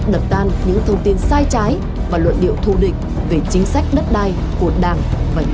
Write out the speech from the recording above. đập tan những thông tin sai trái và luận điệu thù địch về chính sách đất đai của đảng và nhà nước